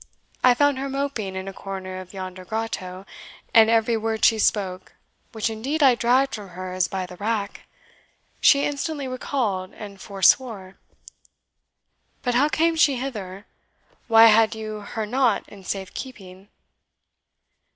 I found her moping in a corner of yonder grotto; and every word she spoke which indeed I dragged from her as by the rack she instantly recalled and forswore. But how came she hither? Why had you her not in safe keeping?"